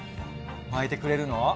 巻いてくれるの？